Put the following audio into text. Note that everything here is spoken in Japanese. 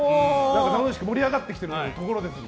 楽しく、盛り上がってきているところです。